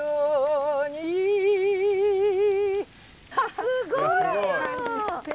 すごいよ！